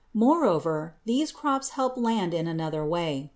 Moreover these crops help land in another way.